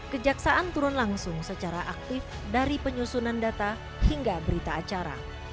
kejaksaan turun langsung secara aktif dari penyusunan data hingga berita acara